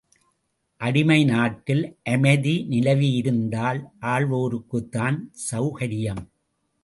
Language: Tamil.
அடிமை நாட்டில் அமைதி நிலவியிருந்தால் ஆள்வோருக்குத்தான் செளகரியம்.